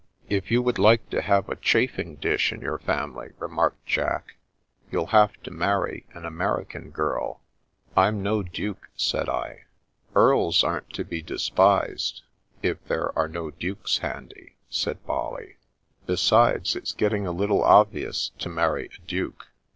" If you would like to have a chafing dish in your family," remarked Jack, " you'll have to marry an American girl." " I'm no Duke," said I. " Earls aren't to be despised, if there are no Dukes handy," said Molly. " Besides, it's getting a little obvious to marry a Duke."